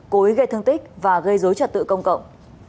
cố ý gây thương tích và gây dối trật tự công cộng